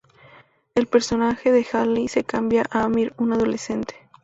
El personaje de Haley se cambia a Amir, un adolescente.